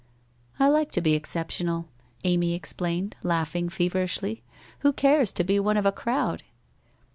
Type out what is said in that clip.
' 1 like to be exceptional !' Amy explained, laughing feverishly. ' Who cares to be one of a crowd.'